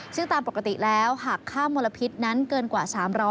ซึ่งตามปกติแล้วหากค่ามลพิษนั้นเกินกว่า๓๐๐